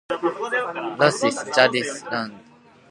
Lucius Julius Iulus and Marcus Furius Fusus.